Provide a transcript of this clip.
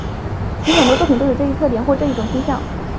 其很多作品都有这一特点或有这种倾向。